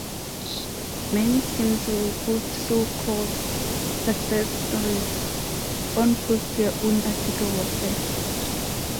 Many schemes will post so-called "success stories" on post-your-own-article websites.